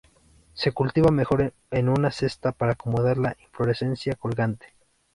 Se cultiva mejor en una cesta para acomodar la inflorescencia colgante.